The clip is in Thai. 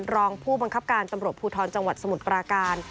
รองผู้บังคับการตำรวจภูทรจังหวัดสมุทรปราการ